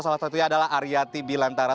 salah satunya adalah aryati bilantara